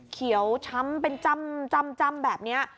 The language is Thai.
เขียวช้ำเป็นจำจำจำแบบนี้